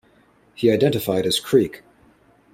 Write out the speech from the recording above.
He identified as Creek.